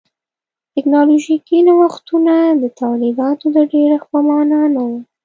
ټکنالوژیکي نوښتونه د تولیداتو د ډېرښت په معنا نه و.